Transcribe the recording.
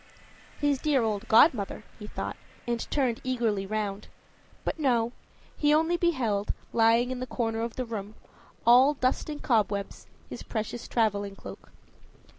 His dear old godmother, he thought, and turned eagerly round. But no; he only beheld, lying in a corner of the room, all dust and cobwebs, his precious traveling cloak.